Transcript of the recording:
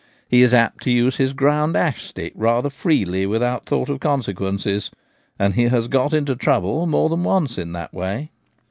He is apt to use his ground ash stick rather freely without thought of consequences, and has got into trouble more than once in that way.